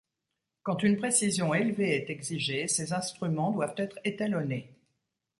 Quand une précision élevée est exigée, ces instruments doivent être étalonnés.